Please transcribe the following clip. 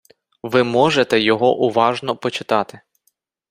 Ви можете його уважно почитати.